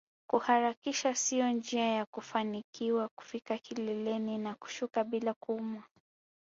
Kuharakisha sio njia ya kufanikiwa kufika kileleni na kushuka bila kuumwa